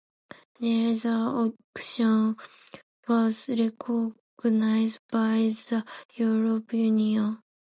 Neither action was recognized by the European Union.